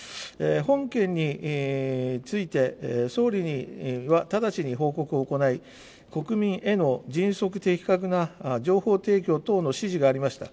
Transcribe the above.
本件について、総理には直ちに報告を行い、国民への、迅速、的確な情報提供等の指示がありました。